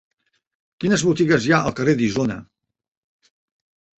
Quines botigues hi ha al carrer d'Isona?